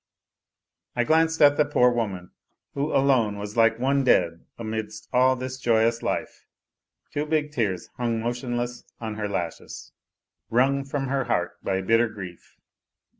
I glanced at the poor woman, who alone was like one dead amidst all this joyous life ; two big tears hung motionless on her lashes, wrung from her heart by bitter grief.